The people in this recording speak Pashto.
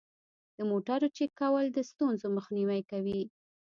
د موټرو چک کول د ستونزو مخنیوی کوي.